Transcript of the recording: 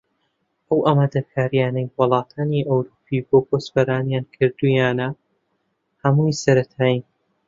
ئەو ئامادەکارییانەی وڵاتانی ئەوروپی بۆ کۆچبەران کردوویانە هەمووی سەرەتایین